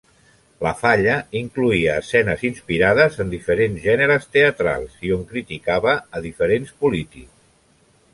La falla incloïa escenes inspirades en diferents gèneres teatrals i on criticava a diferents polítics.